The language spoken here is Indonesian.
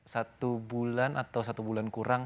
satu bulan atau satu bulan kurang